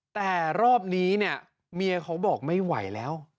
แต่รอบนี้เนี่ยเมียเขาบอกไม่ไหวแล้ว